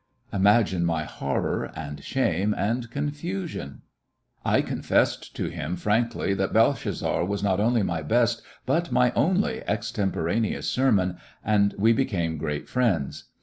Imagine my horror and shame and confu sion. I confessed to him frankly that Bel shazzar was not only my best but my only ex temporaneous sermon, and we became great friends.